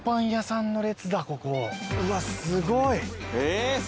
うわっすごい。